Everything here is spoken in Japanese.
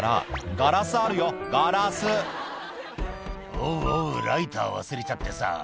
「おうおうライター忘れちゃってさ」